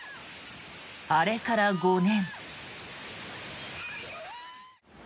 あれから５年。